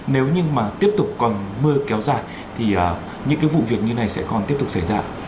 nếu như mà tiếp tục còn mưa kéo dài thì những cái vụ việc như này sẽ còn tiếp tục xảy ra